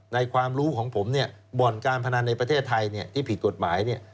ความรู้ของผมเนี่ยบ่อนการพนันในประเทศไทยที่ผิดกฎหมายเนี่ย